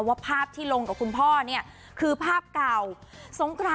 ว่าภาพที่ลงกับคุณพ่อเนี่ยคือภาพเก่าสงคราน